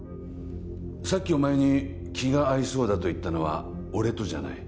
さっきお前に「気が合いそうだ」と言ったのは俺とじゃない。